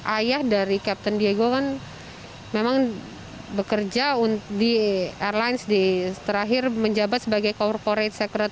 ayah dari captain diego kan memang bekerja di airlines terakhir menjabat sebagai corporate secretary